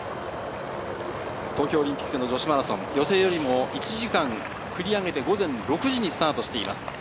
東京オリンピックの女子マラソン、予定よりも１時間繰り上げて午前６時にスタートしています。